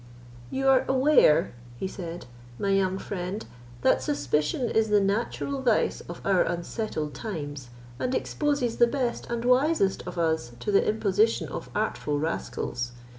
"You are aware," he said, "my young friend, that suspicion is the natural vice of our unsettled times, and exposes the best and wisest of us to the imposition of artful rascals.